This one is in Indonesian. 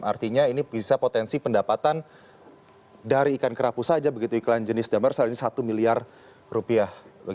artinya ini bisa potensi pendapatan dari ikan kerapu saja begitu iklan jenis damer saat ini satu miliar rupiah